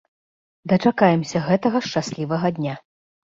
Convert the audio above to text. Дачакаемся гэтага шчаслівага дня.